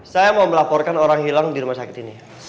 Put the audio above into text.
saya mau melaporkan orang hilang di rumah sakit ini